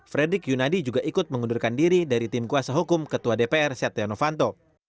fredrik yunadi juga ikut mengundurkan diri dari tim kuasa hukum ketua dpr setia novanto